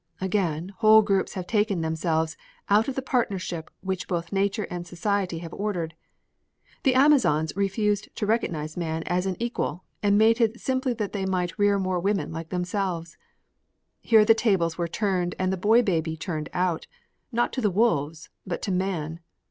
Again, whole groups have taken themselves out of the partnership which both Nature and Society have ordered. The Amazons refused to recognize man as an equal and mated simply that they might rear more women like themselves. Here the tables were turned and the boy baby turned out not to the wolves, but to man!